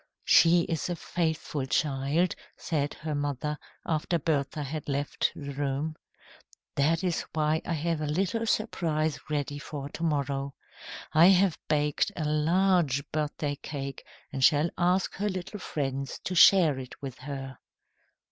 "She is a faithful child," said her mother, after Bertha had left the room. "That is why I have a little surprise ready for to morrow. I have baked a large birthday cake and shall ask her little friends to share it with her.